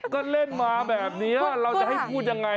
ก็เล่นมาแบบนี้เราจะให้พูดยังไง